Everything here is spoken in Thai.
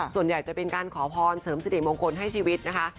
ส่วนใหญ่จะเป็นการขอพรเสริมสิริมงคลให้ชีวิตนะคะ